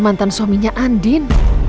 mantan suaminya andin